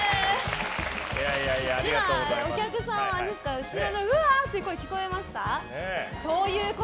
お客さん、後ろのうわー！って声聞こえました？